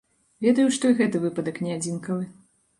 Ведаю, што і гэты выпадак не адзінкавы.